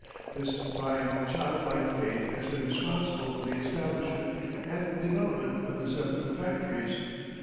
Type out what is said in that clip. This blind child like faith has been responsible for the establishment and development of the Zeppelin factories.